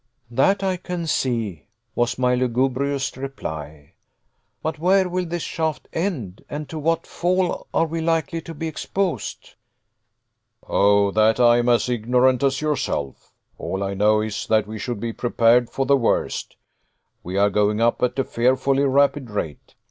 "That I can see," was my lugubrious reply; "but where will this shaft end, and to what fall are we likely to be exposed?" "Of that I am as ignorant as yourself. All I know is, that we should be prepared for the worst. We are going up at a fearfully rapid rate.